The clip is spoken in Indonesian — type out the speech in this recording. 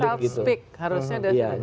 dari self speak harusnya